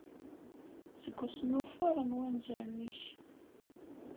Seg usnuffeṛ n wanzaren-ik.